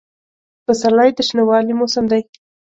پسرلی د شنوالي موسم دی.